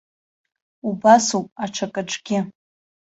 Убасоуп аҽакаҿгьы.